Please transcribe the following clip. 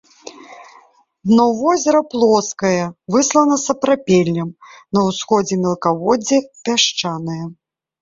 Дно возера плоскае, выслана сапрапелем, на ўсходзе мелкаводдзе пясчанае.